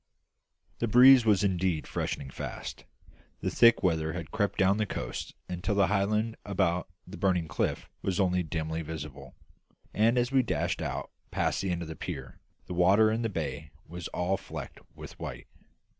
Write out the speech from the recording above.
The breeze was indeed freshening fast; the thick weather had crept down the coast until the high land about the Burning Cliff was only dimly visible; and as we dashed out past the end of the pier, the water in the bay was all flecked with white.